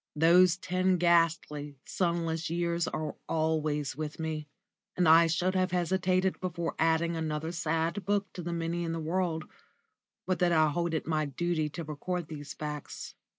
Those ten ghastly, sunless years are always with me, and I should have hesitated before adding another sad book to the many in the world, but that I hold it my duty to record these facts.